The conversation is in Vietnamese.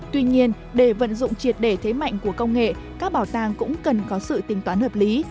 tuy nhiên để vận dụng triệt đề thế mạnh của công nghệ các bảo tàng cũng cần có sự tính toán hợp lý